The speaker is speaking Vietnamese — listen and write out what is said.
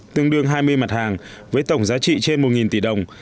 tương đương hai mươi mặt hàng với tổng giá trị trên một tỷ đồng